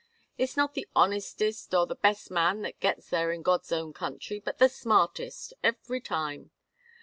It's not the honestest or the best man that gets there in God's own country, but the smartest every time.